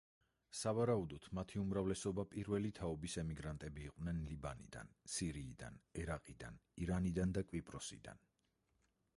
სავარაუდოდ, მათი უმრავლესობა პირველი თაობის ემიგრანტები იყვნენ ლიბანიდან, სირიიდან, ერაყიდან, ირანიდან და კვიპროსიდან.